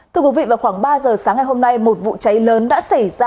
thưa quý vị vào khoảng ba giờ sáng ngày hôm nay một vụ cháy lớn đã xảy ra